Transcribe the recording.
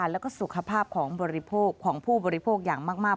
และก็สุขภาพของผู้บริโภคอย่างมาก